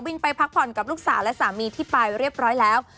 ไปพักผ่อนกับลูกสาวและสามีที่ไปเรียบร้อยแล้ว